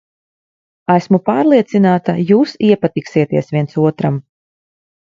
Esmu pārliecināta, jūs iepatiksieties viens otram.